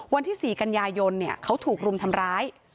วันที่๔กันยายนเขาถูกรุมทำร้าย